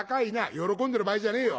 「喜んでる場合じゃねえよ。